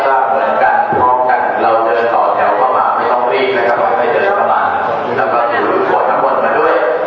แล้วก็เราเดินต่อแถวเข้ามาไม่ต้องรีบนะครับเราจะเดินเข้ามาแล้วก็สูงทุกขวดทั้งหมดมาด้วย